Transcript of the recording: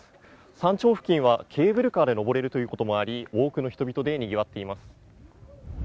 山頂付近はケーブルカーで登れるということもあり、多くの人々で賑わっています。